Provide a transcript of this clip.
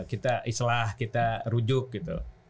kita islah kita rujuk gitu